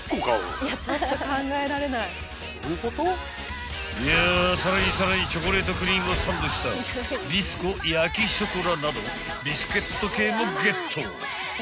［いやさらにさらにチョコレートクリームをサンドしたビスコ焼きショコラなどビスケット系もゲット］